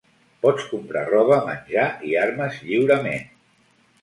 Pots comprar roba, menjar i armes lliurement.